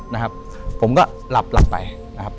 นะครับผมก็หลับหลับไปนะครับ